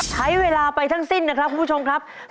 ใช้เวลาไปทั้งสิ้นนะครับคุณผู้ชมครับ